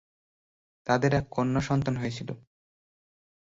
তাদের এক কন্যা সন্তান হয়েছিল।